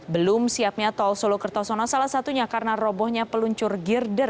belum siapnya tol solo kertosono salah satunya karena robohnya peluncur girder